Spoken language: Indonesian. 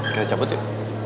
kayak cabut ya